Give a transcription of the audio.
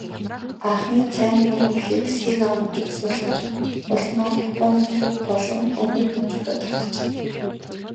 Анхны цайны ургамлыг Сига мужид суулгаж, улмаар Японы төв болон өмнөд мужуудад тархжээ.